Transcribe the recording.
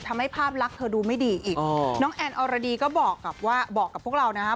ภาพลักษณ์เธอดูไม่ดีอีกน้องแอนอรดีก็บอกกับว่าบอกกับพวกเรานะฮะ